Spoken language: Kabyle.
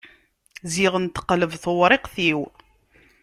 Ziɣen teqleb tewriqt-iw.